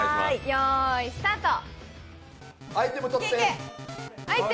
よーいスタート。